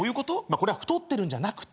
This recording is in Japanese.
これは太ってるんじゃなくて。